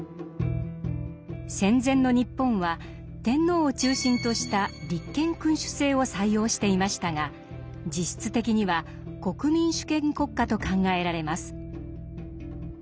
戦前の日本は天皇を中心とした立憲君主制を採用していましたが実質的には国民主権国家と考えられます。